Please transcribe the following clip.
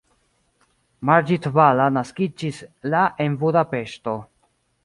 Margit Balla naskiĝis la en Budapeŝto.